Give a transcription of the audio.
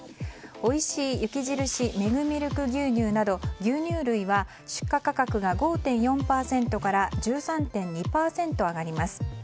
おいしい雪印メグミルク牛乳など牛乳類は出荷価格が５．４％から１３．２％上がります。